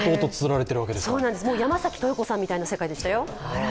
山崎さんみたいな世界でしたよ。